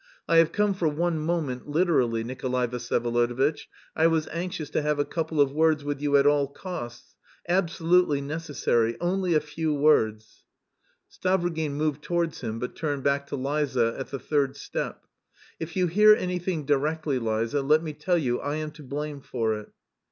I have come for one moment literally, Nikolay Vsyevolodovitch. I was anxious to have a couple of words with you at all costs... absolutely necessary... only a few words!" Stavrogin moved towards him but turned back to Liza at the third step. "If you hear anything directly, Liza, let me tell you I am to blame for it!"